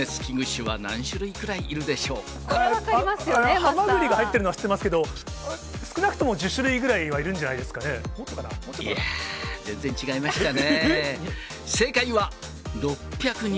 ハマグリが入っているのは知ってますけど、少なくとも１０種類ぐらいはいるんじゃないですかいやー、全然違いましたね。